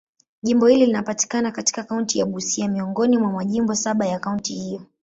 Jimbo hili linapatikana katika kaunti ya Busia, miongoni mwa majimbo saba ya kaunti hiyo.